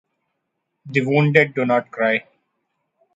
The wounded do not cry.